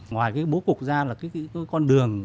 ngoài cái bố cục ra là cái con đường